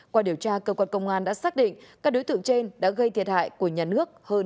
qua điều tra cơ quan công an đã xác định các đối tượng trên đã gây thiệt hại của nhà nước hơn một mươi tám tỷ đồng